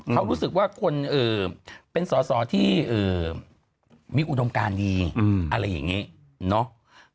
เขารู้สึกว่าคนเป็นสอสอที่มีอุดมการดีอะไรอย่างนี้เนาะ